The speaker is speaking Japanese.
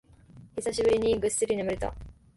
久しぶりにぐっすり眠れた